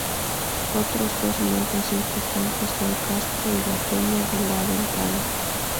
Otros dos montes importantes son Castro y La Peña de La Ventana.